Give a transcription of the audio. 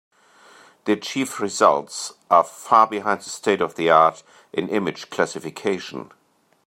The achieved results are far behind the state-of-the-art in image classification.